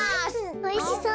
おいしそう。